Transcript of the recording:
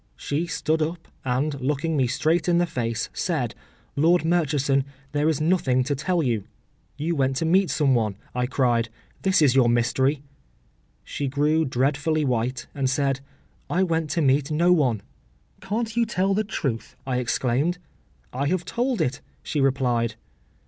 She stood up, and, looking me straight in the face, said, “Lord Murchison, there is nothing to tell you.”—“You went to meet some one,” I cried; “this is your mystery.” She grew dreadfully white, and said, “I went to meet no one.”—“Can’t you tell the truth?” I exclaimed. “I have told it,” she replied.